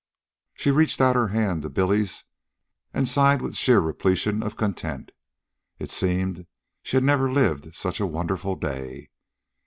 She reached out her hand to Billy's and sighed with sheer repletion of content. It seemed she had never lived such a wonderful day.